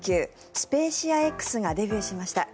スペーシアＸがデビューしました。